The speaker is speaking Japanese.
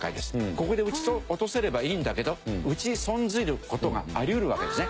ここで撃ち落とせればいいんだけど撃ち損じる事があり得るわけですね。